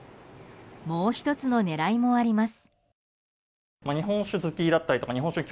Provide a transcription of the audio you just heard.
もう１つの狙いもあります。